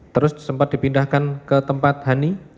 terus sempat dipindahkan ke tempat honey